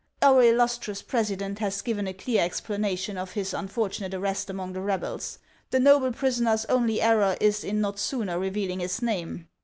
Our illustrious president has given a clear explanation of his unfortunate arrest among the rebels. The noble prisoner's only error is in not sooner revealing his name.